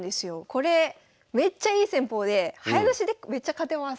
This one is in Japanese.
これめっちゃいい戦法で早指しでめっちゃ勝てます。